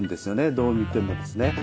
どう見てもですね。